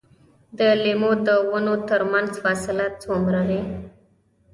د لیمو د ونو ترمنځ فاصله څومره وي؟